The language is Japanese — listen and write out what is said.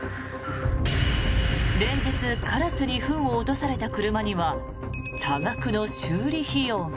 連日、カラスにフンを落とされた車には多額の修理費用が。